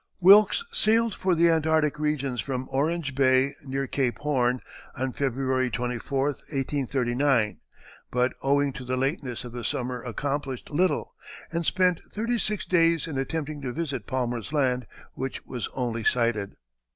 Wilkes sailed for the Antarctic regions from Orange Bay, near Cape Horn, on February 24, 1839, but owing to the lateness of the summer accomplished little, and spent thirty six days in attempting to visit Palmer's Land, which was only sighted.